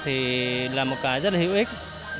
thì là một cái rất là hữu ích